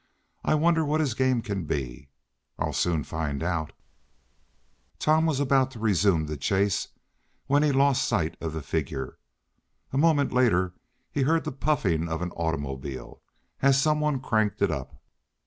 I wonder what his game can be? I'll soon find out!" Tom was about to resume the chase, when he lost sight of the figure. A moment later he heard the puffing of an automobile, as some one cranked it up.